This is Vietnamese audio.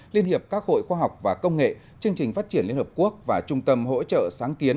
liên hiệp các hội khoa học và công nghệ chương trình phát triển liên hợp quốc và trung tâm hỗ trợ sáng kiến